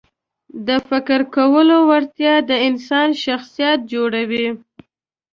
د فکر کولو وړتیا د انسان شخصیت جوړوي.